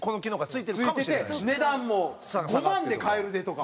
付いてて値段も５万で買えるでとか。